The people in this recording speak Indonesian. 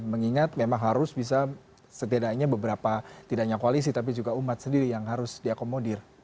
mengingat memang harus bisa setidaknya beberapa tidak hanya koalisi tapi juga umat sendiri yang harus diakomodir